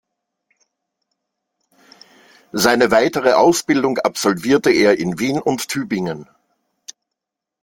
Seine weitere Ausbildung absolvierte er in Wien und Tübingen.